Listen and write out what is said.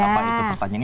apa itu pertanyaan ini